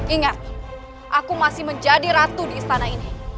ingat aku masih menjadi ratu di istana ini